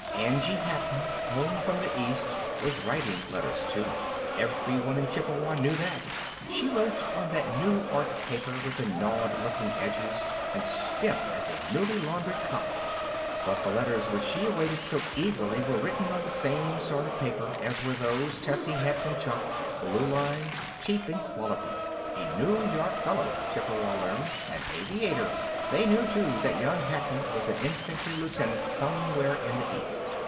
Angie Hatton, home from the East, was writing letters, too. Everyone in Chippewa knew that. She wrote on that new art paper with the gnawed looking edges and stiff as a newly laundered cuff. But the letters which she awaited so eagerly were written on the same sort of paper as were those Tessie had from Chuck blue lined, cheap in quality. A New York fellow, Chippewa learned; an aviator. They knew, too, that young Hatton was an infantry lieutenant somewhere in the East.